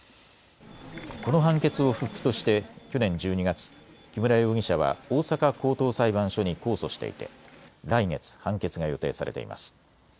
この判決を不服として去年１２月、木村容疑者は大阪高等裁判所に控訴していて来月、判決が予定されています。